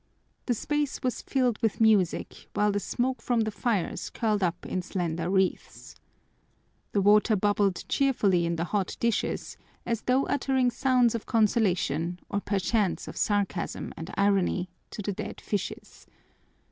The space was filled with music while the smoke from the fires curled up in slender wreaths. The water bubbled cheerfully in the hot dishes as though uttering sounds of consolation, or perchance of sarcasm and irony, to the dead fishes.